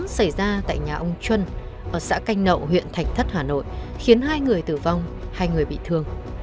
xảy ra tại nhà ông trân ở xã canh nậu huyện thạch thất hà nội khiến hai người tử vong hai người bị thương